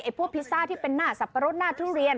พวกพิซซ่าที่เป็นหน้าสับปะรดหน้าทุเรียน